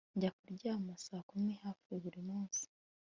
Njya kuryama saa kumi hafi buri munsi